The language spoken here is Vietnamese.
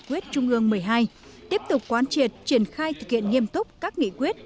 quyết trung ương một mươi hai tiếp tục quan triệt triển khai thực hiện nghiêm túc các nghị quyết